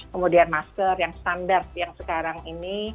kemudian masker yang standar yang sekarang ini